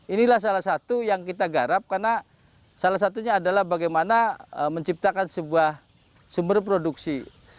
inilah salah satu yang kita garap karena salah satunya adalah bagaimana menciptakan sebuah sumber produksi